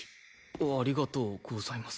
ありがとうございます。